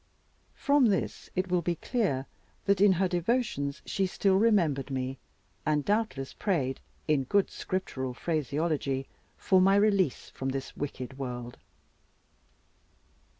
From this it will be clear, that in her devotions she still remembered me, and doubtless prayed in good Scriptural phraseology for my release from this wicked world.